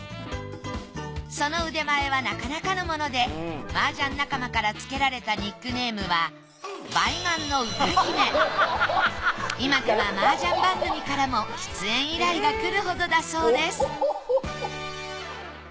その腕前はなかなかのものでマージャン仲間からつけられたニックネームは今ではマージャン番組からも出演依頼がくるほどだそうです